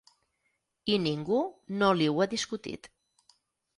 I ningú no li ho ha discutit.